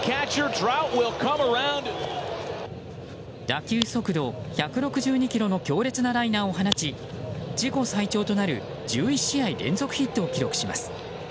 打球速度１６２キロの強烈なライナーを放ち自己最長となる１１試合連続ヒットを記録します。